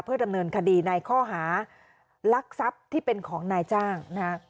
เพื่อดำเนินคดีในข้อหารักษัพที่เป็นของนายจ้างนะครับ